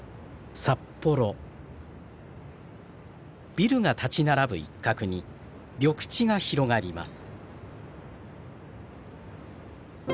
ビルが立ち並ぶ一角に緑地が広がります。